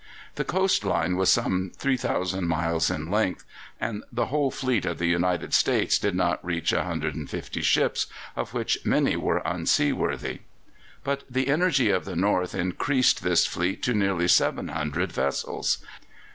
The coast line was some 3,000 miles in length, and the whole fleet of the United States did not reach 150 ships, of which many were unseaworthy. But the energy of the North increased this fleet to nearly 700 vessels.